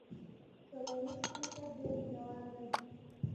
شل اوریز کرکټ ډېر مینه وال لري.